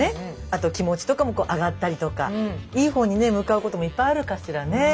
あと気持ちとかも上がったりとかいい方にね向かうこともいっぱいあるかしらね。